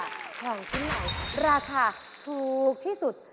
ที่ไหนราคาถูกที่สุด